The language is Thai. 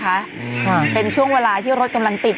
ค่ะเป็นช่วงเวลาที่รถกำลังติด